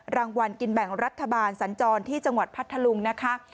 รางวัลกินแบ่งรัฐบาลสัญจรที่จังหวัดพัทธลุงนะคะ